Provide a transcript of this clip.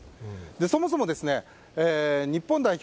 そもそも日本代表